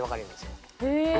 へえ！